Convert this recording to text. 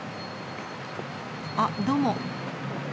あっどうも。